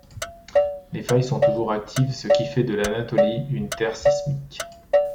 Les failles sont toujours actives, ce qui fait de l'Anatolie une terre sismique.